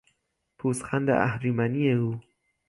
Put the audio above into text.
پوزخند اهریمنی او